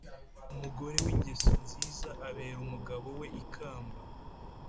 umugore w’ingeso nziza abera umugabo we ikamba,